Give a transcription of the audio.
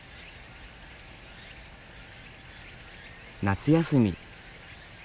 夏休み。